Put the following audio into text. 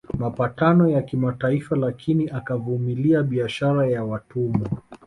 Mapatano ya kimataifa lakini akavumilia biashara ya watumwa